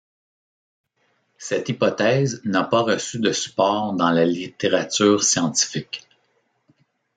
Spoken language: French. Cette hypothèse n'a pas reçu de support dans la littérature scientifique.